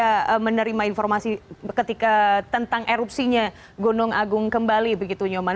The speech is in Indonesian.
kita menerima informasi ketika tentang erupsinya gunung agung kembali begitu nyoman